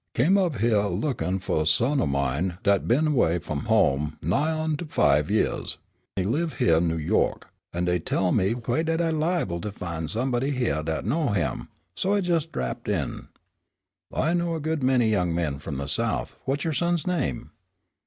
I come up hyeah a lookin' fu' a son o' mine dat been away f'om home nigh on to five years. He live hyeah in Noo Yo'k, an' dey tell me whaih I 'quiahed dat I li'ble to fin' somebody hyeah dat know him. So I jes' drapped in." "I know a good many young men from the South. What's your son's name?"